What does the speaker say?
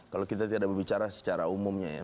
kalau kita tidak berbicara secara umumnya ya